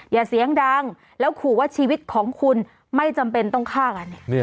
อย่าเสียงดังแล้วขู่ว่าชีวิตของคุณไม่จำเป็นต้องฆ่ากัน